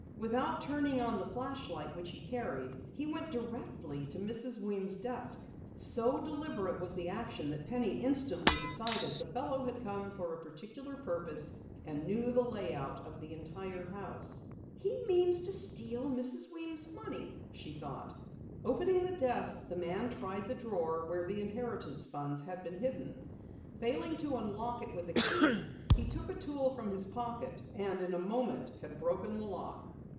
Without turning on a flashlight which he carried, he went directly to Mrs. Weems' desk. So deliberate was the action that Penny instantly decided the fellow had come for a particular purpose and knew the lay out of the entire house. "He means to steal Mrs. Weems' money!" she thought. Opening the desk, the man tried the drawer where the inheritance funds had been hidden. Failing to unlock it with a key, he took a tool from his pocket and in a moment had broken the lock.